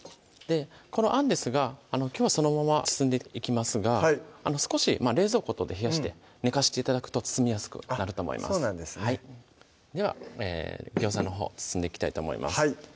このあんですがきょうはそのまま包んでいきますが少し冷蔵庫等で冷やして寝かして頂くと包みやすくなると思いますそうなんですねでは餃子のほう包んでいきたいと思います